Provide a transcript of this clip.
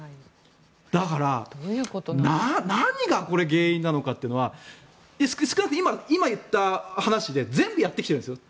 だから、何がこれ原因なのかというのは少なくとも今言った話全部やってきているんですよ